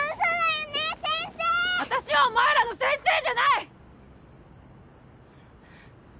私はお前らの先生じゃない‼